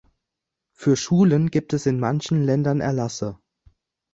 Für Schulen gibt es in manchen Ländern Erlasse.